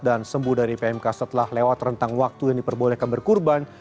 sembuh dari pmk setelah lewat rentang waktu yang diperbolehkan berkurban